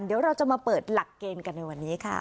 เดี๋ยวเราจะมาเปิดหลักเกณฑ์กันในวันนี้ค่ะ